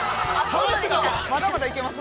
◆まだまだいけます？